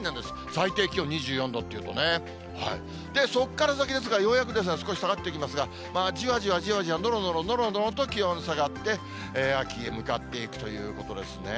最低気温２４度っていうとね、そこから先ですが、ようやく少し下がってきますが、じわじわじわじわ、のろのろのろのろと気温が下がって、秋へ向かっていくということですね。